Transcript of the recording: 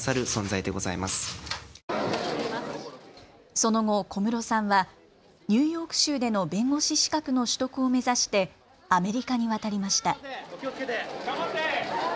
その後、小室さんはニューヨーク州での弁護士資格の取得を目指してアメリカに渡りました。